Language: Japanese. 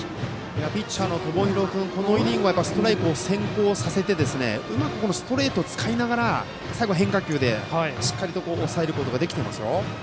ピッチャーの友廣君このイニングストライクを先行させてうまくストレートを使いながら最後、変化球でしっかりと抑えることができていますよ。